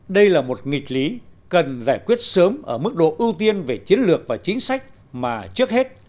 đây là một nghịch lý cần giải quyết sớm ở mức độ ưu tiên về chiến lược và chính sách mà trước hết